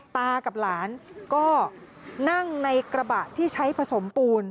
ตากับหลานก็นั่งในกระบะที่ใช้ผสมปูน